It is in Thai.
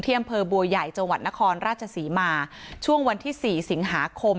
อำเภอบัวใหญ่จังหวัดนครราชศรีมาช่วงวันที่สี่สิงหาคม